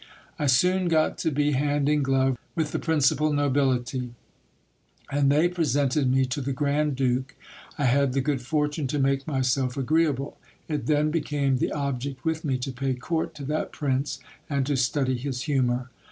I soon got to be hand in glove with the principal nobility ; and they presented me to the grand duke. I had the good fortune to make myself agreeable. It then became an object with me to pay court to that prince, and to study his humour.